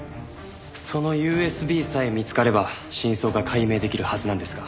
そのＵＳＢさえ見つかれば真相が解明できるはずなんですが。